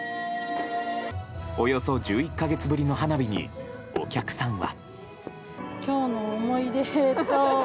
およそ１１か月ぶりの花火にお客さんは。